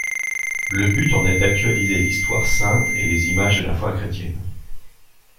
Le but en est d'actualiser l'Histoire sainte et les images de la foi chrétienne.